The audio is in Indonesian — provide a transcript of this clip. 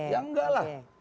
ya enggak lah